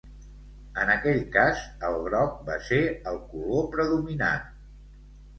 En aquell cas el groc va ser el color predominant